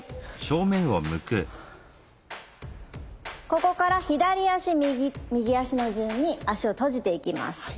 ここから左足右足の順に足を閉じていきます。